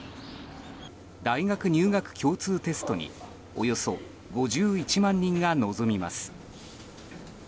大学入学共通テストにおよそ５１万人が臨みます。